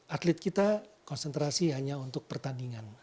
atlet kita konsentrasi hanya untuk pertandingan